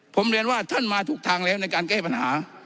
ผมเรียนว่าท่านมาทุกทางแล้วในการแก้ปัญหา